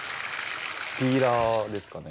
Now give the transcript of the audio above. ピーラーですかね。